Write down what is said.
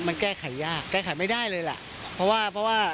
มันแก้ไขยากแก้ไขไม่ได้เลยล่ะเพราะว่าเพราะว่า